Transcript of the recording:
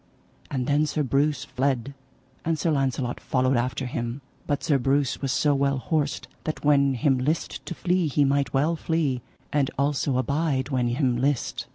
And then Sir Breuse fled, and Sir Launcelot followed after him. But Sir Breuse was so well horsed that when him list to flee he might well flee, and also abide when him list.